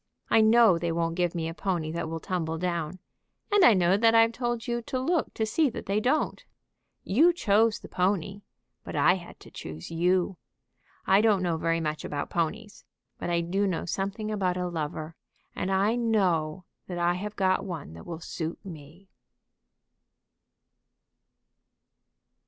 I know they won't give me a pony that will tumble down; and I know that I've told you to look to see that they don't. You chose the pony, but I had to choose you. I don't know very much about ponies, but I do know something about a lover, and I know that I have got one that will suit me."